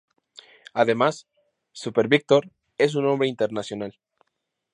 Además, Super Victor es un nombre internacional.